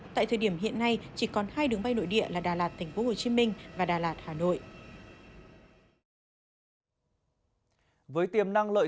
tại thời điểm hiện nay chỉ còn hai đường bay nội địa là đà lạt tp hcm và đà lạt hà nội